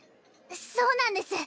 そうなんです！